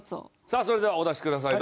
さあそれではお出しください。